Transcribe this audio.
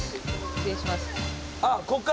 失礼します。